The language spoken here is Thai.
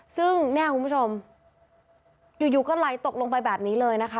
ซึ่งเนี่ยคุณผู้ชมอยู่ก็ไหลตกลงไปแบบนี้เลยนะคะ